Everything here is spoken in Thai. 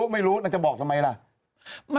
ไม่รู้จะบอกทำไมล่ะ